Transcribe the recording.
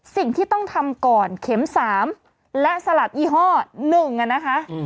สิ่งที่ต้องทำก่อนเข็ม๓และสลับยี่ห้อ๑นะคะ